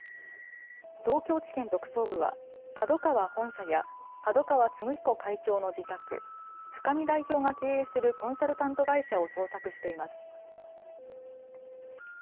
東京地検特捜部はＫＡＤＯＫＡＷＡ本社や角川歴彦会長の自宅、深見代表が経営するコンサルタント会社を捜索しています。